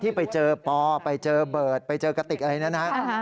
ที่ไปเจอปอไปเจอเบิร์ดไปเจอกติกอะไรแบบนั้น